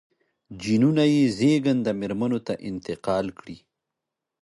جینونه یې زېږنده مېرمنو ته انتقال کړي.